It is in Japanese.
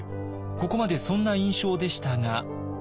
ここまでそんな印象でしたが。